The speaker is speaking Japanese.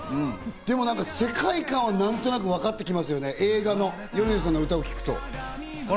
でも世界観は何となくわかってきますよね、映画の米津さんの歌を聴くと。